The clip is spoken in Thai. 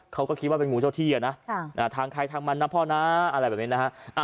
เขาก็คิดว่าเป็นงูเจ้าที่นะทางใครทางมันนะพ่อนะอะไรแบบนี้นะฮะ